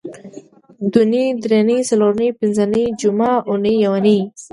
دونۍ درېنۍ څلرنۍ پینځنۍ جمعه اونۍ یونۍ